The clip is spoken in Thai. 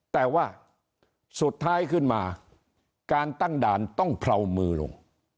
แต่ว่าสุดท้ายขึ้นมาการตั้งด่านต้องเผามือลง